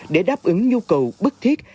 để đáp ứng nhu cầu bức thiết